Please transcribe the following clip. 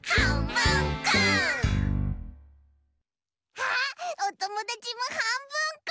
あっおともだちもはんぶんこ！